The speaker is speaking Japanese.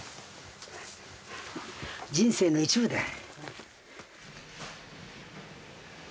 人生の一部だい。